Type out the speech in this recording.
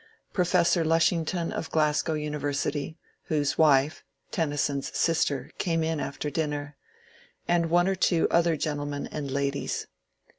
Professor iushington of Glasgow University, whose wife (Tennyson's sister) came in after dinner ; and one or two other gentlemen and ladies.